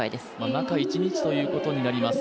中一日ということになります。